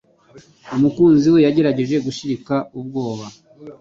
umukunzi we yagerageje gushirika ubwoba